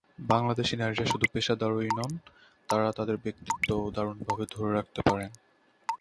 বাংলাদেশের নারীরা শুধু পেশাদারই নন, তাঁরা তাঁদের ব্যক্তিত্বও দারুণভাবে ধরে রাখতে পারেন।